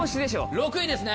６位ですね？